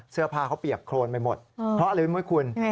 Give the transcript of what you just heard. เสื้อผ้าเขาเปียกโครนไปหมดเพราะอะไรรู้ไหมคุณ